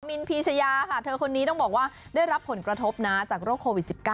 นพีชยาค่ะเธอคนนี้ต้องบอกว่าได้รับผลกระทบนะจากโรคโควิด๑๙